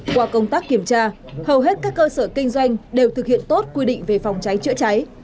qua công tác kiểm tra hầu hết các cơ sở kinh doanh đều thực hiện tốt quy định về phòng cháy chữa cháy